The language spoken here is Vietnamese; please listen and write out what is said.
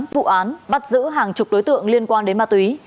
vụ án bắt giữ hàng chục đối tượng liên quan đến ma túy